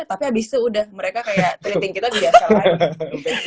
tapi abis itu udah mereka kayak treating kita biasa kan